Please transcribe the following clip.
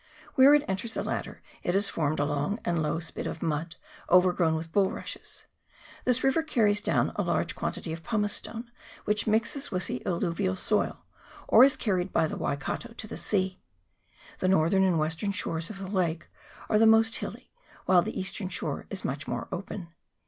Where it enters the latter, it has formed a long and low spit of mud, over grown with bulrushes. This river carries down a large quantity of pumices tone, which mixes with the alluvial soil, or is carried by the Waikato to the sea. The northern and western shores of the lake are the most hilly, while the eastern shore is much more open.